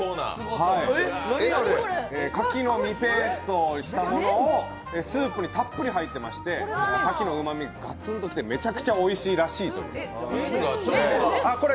牡蠣の身ペーストをしたものがスープにたっぷり入っていまして、牡蠣のうまみがガツンときてめちゃくちゃおいしいらしいという。